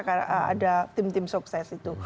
karena ada tim tim sukses itu